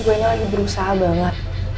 gue ini lagi berusaha banget